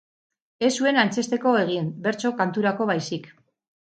Ez zuen antzezteko egin, bertso kanturako baizik.